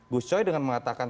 gus coy dengan mengatakan